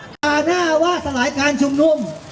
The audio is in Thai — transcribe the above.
ด่าหน้าว่าสลายการชุมนุม